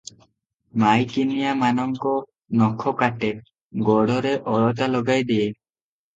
ମାଇକିନିଆମାନଙ୍କ ନଖ କାଟେ, ଗୋଡରେ ଅଳତା ଲଗାଇ ଦିଏ ।